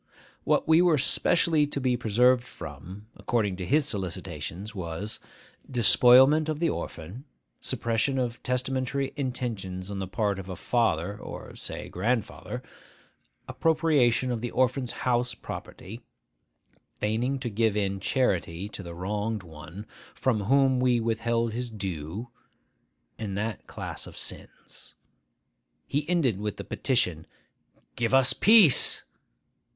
What we were specially to be preserved from, according to his solicitations, was, despoilment of the orphan, suppression of testamentary intentions on the part of a father or (say) grandfather, appropriation of the orphan's house property, feigning to give in charity to the wronged one from whom we withheld his due; and that class of sins. He ended with the petition, 'Give us peace!